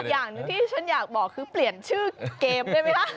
อย่างหนึ่งที่ฉันอยากบอกคือเปลี่ยนชื่อเกมได้ไหมคะ